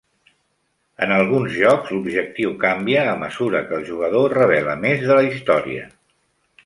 En alguns jocs, l'objectiu canvia a mesura que el jugador revela més de la història.